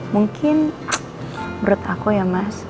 mungkin menurut aku ya mas